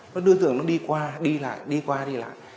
đối tượng nó đi qua đi lại đi qua đi lại